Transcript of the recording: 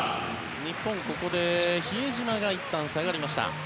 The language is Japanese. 日本、ここで比江島がいったん下がりました。